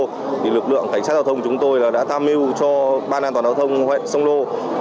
thì lực lượng cảnh sát giao thông chúng tôi đã tham mưu cho ban an toàn giao thông huyện sông lô